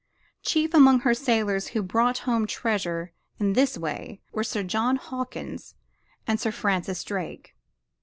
Chief among her sailors who brought home treasure in this way were Sir John Hawkins and Sir Francis Drake.